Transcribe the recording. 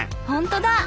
ほんとだ！